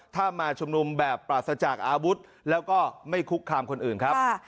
ถ้ามาชุมนุมแบบปราศจากอาวุธแล้วก็ไม่คุกคามคนอื่นครับ